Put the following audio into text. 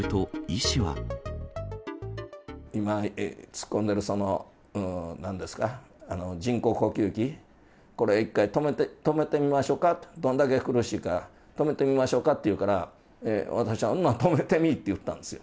今、突っ込んでる、その、なんですか、人工呼吸器、これ、一回止めてみましょうかと、どんだけ苦しいか、止めてみましょかって言うから、私は、そんなら止めてみいと言ったんですよ。